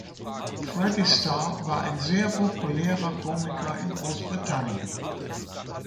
Freddie Starr war ein sehr populärer Komiker in Großbritannien.